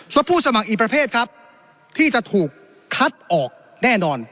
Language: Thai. ผู้สมัครอีกประเภทครับที่จะถูกคัดออกแน่นอน